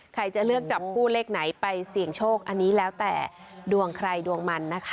ใครจะเลือกจับคู่เลขไหนไปเสี่ยงโชคอันนี้แล้วแต่ดวงใครดวงมันนะคะ